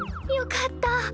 よかった！